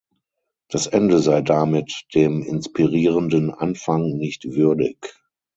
Das Ende sei damit „dem inspirierenden Anfang nicht würdig“.